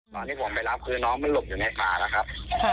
ตอนที่ผมไปรับคือน้องมันหลบอยู่ในป่าแล้วครับ